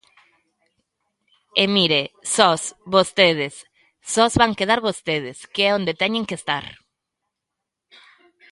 E mire, sós, vostedes; sós van quedar vostedes, que é onde teñen que estar.